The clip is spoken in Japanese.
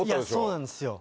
そうなんですよ。